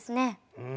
うん。